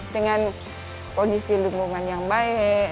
dengan kondisi lingkungan yang baik